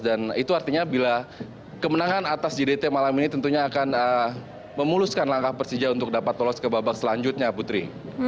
itu artinya bila kemenangan atas gdt malam ini tentunya akan memuluskan langkah persija untuk dapat lolos ke babak selanjutnya putri